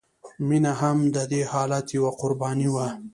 مینه هم د دې حالت یوه قرباني وه